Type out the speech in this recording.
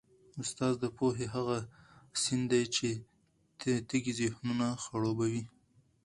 استاد د پوهې هغه سیند دی چي تږي ذهنونه خړوبوي.